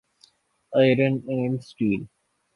iron and steel